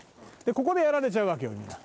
ここでやられちゃうわけよみんな。